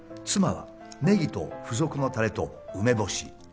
妻はネギと付属のたれと梅干し。